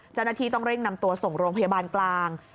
เจ้าหน้าที่ต้องเร่งนำตัวส่งโรงพยาบาลกลาง